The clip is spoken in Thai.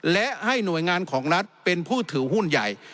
และให้หน่วยงานของรัฐเป็นผู้ถือหุ้นใหญ่